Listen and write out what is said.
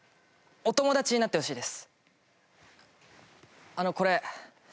「お友達になってほしい」ね。